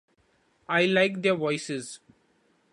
I like their voices.